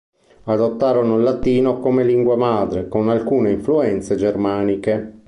Adottarono il latino come lingua madre, con alcune influenze germaniche.